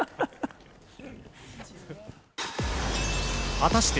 果たして、